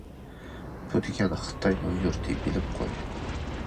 بۇ دېگەن خىتاينىڭ يۇرتى بىلىپ قوي.